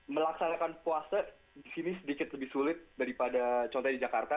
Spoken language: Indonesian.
melaksanakan puasa di sini sedikit lebih sulit daripada contohnya di jakarta